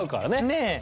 ねえ。